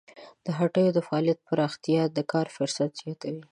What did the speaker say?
د هټیو د فعالیتونو پراختیا د کار فرصتونه زیاتوي.